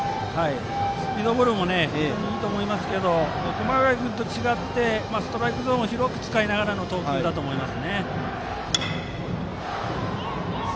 スピードボールも非常にいいと思いますが熊谷君と違ってストライクゾーンを広く使っての投球だと思います。